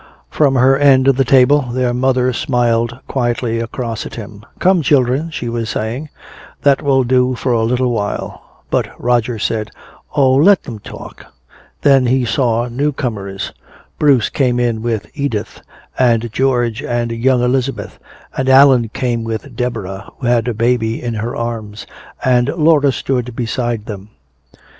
From her end of the table their mother smiled quietly across at him. "Come children," she was saying, "that will do for a little while." But Roger said, "Oh, let them talk."... Then he saw new comers. Bruce came in with Edith, and George and young Elizabeth, and Allan came with Deborah who had a baby in her arms, and Laura stood beside them.